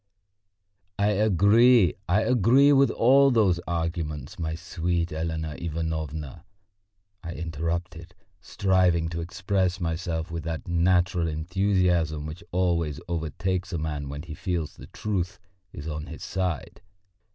"I agree, I agree with all those arguments, my sweet Elena Ivanovna," I interrupted, striving to express myself with that natural enthusiasm which always overtakes a man when he feels the truth is on his side.